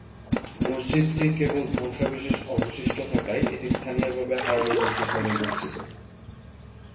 মসজিদটির কেবল ধ্বংসাবশেষ অবশিষ্ট থাকায় এটি স্থানীয়ভাবে হারানো মসজিদ নামে পরিচিত।